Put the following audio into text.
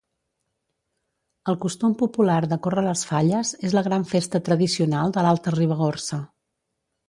El costum popular de córrer les falles és la gran festa tradicional de l'Alta Ribagorça.